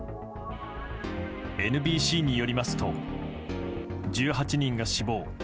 ＮＢＣによりますと少なくとも１８人が死亡。